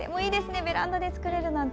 ベランダで作れるなんて。